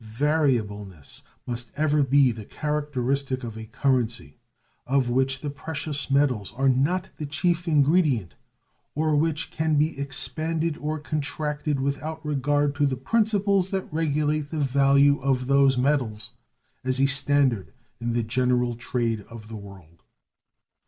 Variableness must ever be the characteristic of a currency of which the precious metals are not the chief ingredient, or which can be expanded or contracted without regard to the principles that regulate the value of those metals as a standard in the general trade of the world.